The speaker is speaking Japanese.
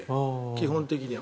基本的には。